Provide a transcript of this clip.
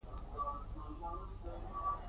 د سوکاله ژوند غوښتل هم کوم ګران کار نه دی